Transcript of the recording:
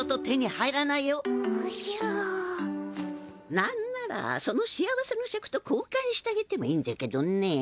なんならその幸せのシャクと交かんしてあげてもいいんだけどね。